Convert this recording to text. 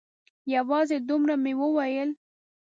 یوازې دومره مې وویل.